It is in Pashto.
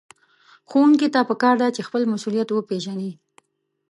ښوونکي ته پکار ده چې خپل مسؤليت وپېژني.